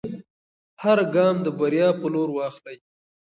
هر ګام د بریا په لور واخلئ.